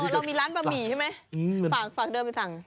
เรามีร้านบะหมี่ใช่ไหมฝากเดินไปสั่ง